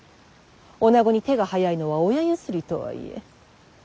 女子に手が早いのは親譲りとはいえ。